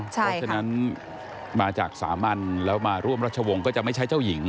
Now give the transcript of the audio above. เพราะฉะนั้นมาจากสามัญแล้วมาร่วมรัชวงศ์ก็จะไม่ใช่เจ้าหญิง